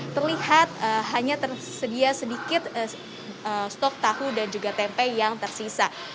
terlihat hanya tersedia sedikit stok tahu dan juga tempe yang tersisa